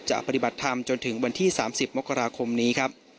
ปฏิบัติธรรมจนถึงวันที่๓๐มกราคมนี้ครับ